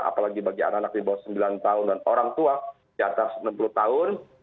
apalagi bagi anak anak di bawah sembilan tahun dan orang tua di atas enam puluh tahun